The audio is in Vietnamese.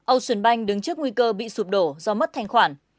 ocean bank đứng trước nguy cơ bị sụp đổ do mất thanh khoản